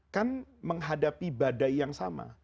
kan menghadapi badai yang sama